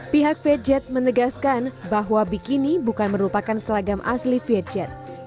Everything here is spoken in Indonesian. pihak vietjet menegaskan bahwa bikini bukan merupakan seragam asli vietjet